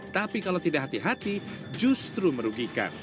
tapi kalau tidak hati hati justru merugikan